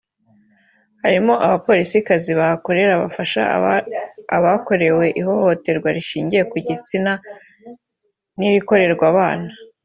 harimo abapolisikazi bahakorera bafasha abakorewe ihohoterwa rishingiye ku gitsina n’irikorerwa abana